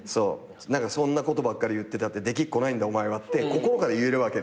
「そんなことばっかり言ってたってできっこないんだお前は」って心から言えるわけ。